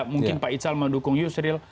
mungkin pak itzal mau dukung yusril